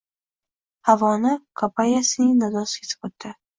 Havoni Kobayasining nidosi kesib o`tdi